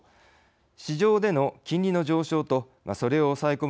市場での金利の上昇とそれを抑え込む